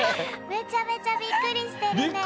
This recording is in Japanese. めちゃめちゃびっくりしてるね。